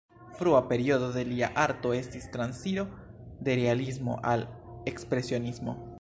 Frua periodo de lia arto estis transiro de realismo al ekspresionismo.